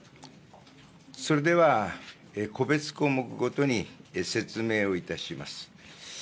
それでは、個別項目ごとに、説明をいたします。